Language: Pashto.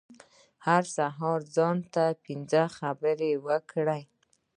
هر سهار ځان ته پنځه خبرې وکړئ .